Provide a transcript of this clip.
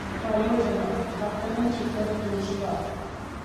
आलोचना: आकलन शिखर पुरुष का